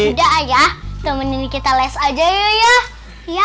udah ayah temenin kita les aja yuk ya